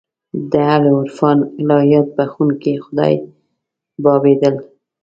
د اهل عرفان الهیات بخښونکی خدای بابېدل.